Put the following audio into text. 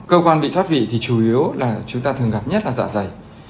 cơ quan bị pháp vị thì chủ yếu là chúng ta thường gặp nhất là dạ dày